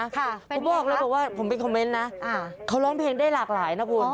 ผมบอกเลยบอกว่าผมไปคอมเมนต์นะเขาร้องเพลงได้หลากหลายนะคุณ